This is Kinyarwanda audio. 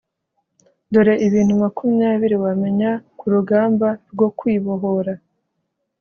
Dore ibintu makumyabiri wamenya ku rugamba rwo Kwibohora